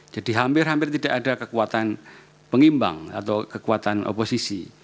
jadi hampir hampir tidak ada kekuatan pengimbang atau kekuatan oposisi